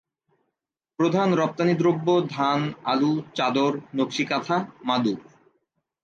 প্রধান রপ্তানিদ্রব্য ধান, আলু, চাদর, নকশিকাঁথা, মাদুর।